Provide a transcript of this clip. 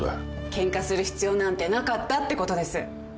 ケンカする必要なんてなかったってことです。